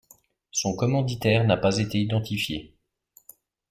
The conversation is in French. Son commanditaire n'a pas été identifié.